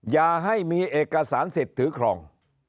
อย่าให้มีเอกสารสิทธิ์ถือครอง